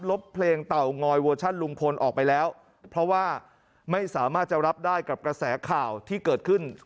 บเพลงเต่างอยเวอร์ชันลุงพลออกไปแล้วเพราะว่าไม่สามารถจะรับได้กับกระแสข่าวที่เกิดขึ้น